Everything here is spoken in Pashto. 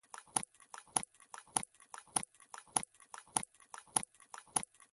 ما ورته وویل چې ایا هغه تر اوسه پورې ژوندی دی.